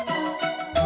nih aku tidur